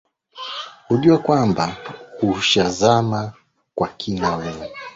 Ujue kwamba ushazama kwa kina wewe